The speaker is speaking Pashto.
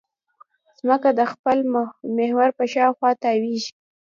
ځمکه د خپل محور په شاوخوا تاوېږي.